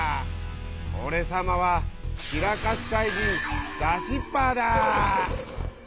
オレさまはちらかしかいじんダシッパーだ！